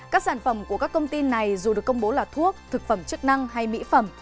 các sản phẩm của các công ty này dù được công bố là thuốc thực phẩm chức năng hay mỹ phẩm